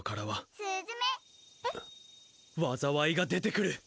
「すずめ」「災いが出てくる」